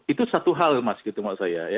itu satu hal mas gitu maksud saya